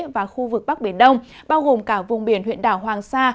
và khu vực bắc biển đông bao gồm cả vùng biển huyện đảo hoàng sa